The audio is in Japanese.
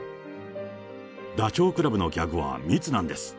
ダチョウ倶楽部のギャグは密なんです。